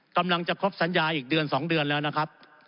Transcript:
กำลังจะครบสัญญาอีกเดือน๒เดือนแล้วนะครับ